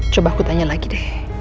coba aku tanya lagi deh